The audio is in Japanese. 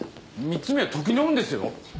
３つ目は時の運ですよ！